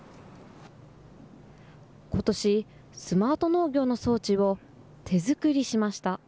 ことし、スマート農業の装置を手作りしました。